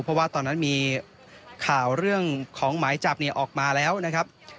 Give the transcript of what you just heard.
เพราะว่าตอนนั้นมีข่าวเรื่องของหมายจับออกมาแล้วนะครับ